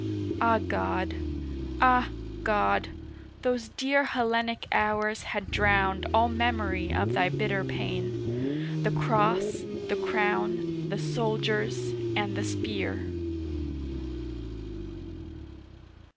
Ah, God! Ah, God! those dear Hellenic hours Had drowned all memory of Thy bitter pain, The Cross, the Crown, the Soldiers and the Spear.